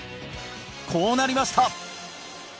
こうなりました！